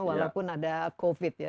walaupun ada covid ya